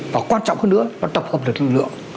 và quan trọng hơn nữa nó tập hợp được lực lượng